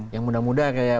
yang muda muda kayak